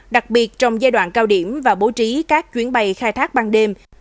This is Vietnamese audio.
đặc biệt trong giai đoạn cao điểm và bố trí các chuyến bay khai thác ban đêm